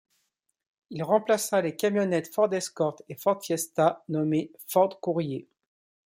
Il remplaça les camionnettes Ford Escort et Ford Fiesta nommée Ford Courier.